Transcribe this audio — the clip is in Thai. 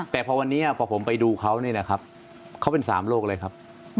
แต่พอวันนี้พอผมไปดูเขานี่นะครับเขาเป็น๓โลกเลยครับ